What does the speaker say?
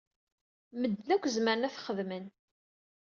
Medden akk zemren ad t-xedmen.